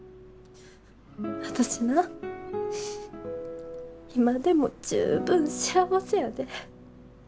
私な今でも十分幸せやで。